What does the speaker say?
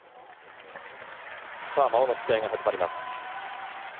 まもなく試合が始まります。